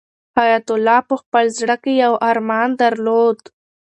حیات الله په خپل زړه کې یو ارمان درلود.